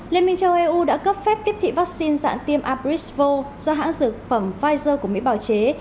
liên minh châu âu đã cấp phép tiếp thị vaccine dạng tiêm abrisvo do hãng dược phẩm pfizer của mỹ bảo chế